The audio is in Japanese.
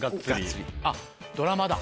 あっドラマだ。